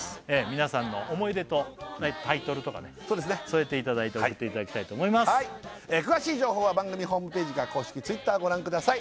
皆さんの思い出とタイトルとかね添えていただいて送っていただきたいと思います詳しい情報は番組ホームページか公式Ｔｗｉｔｔｅｒをご覧ください